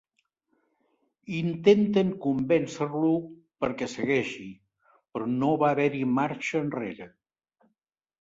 Intenten convèncer-lo perquè segueixi, però no va haver-hi marxa enrere.